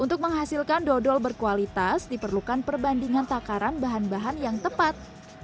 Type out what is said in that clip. untuk menghasilkan dodol berkualitas diperlukan perbandingan takaran bahan bahan yang tepat